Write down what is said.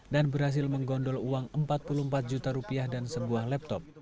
dan berhasil menggondol uang empat puluh empat juta rupiah dan sebuah laptop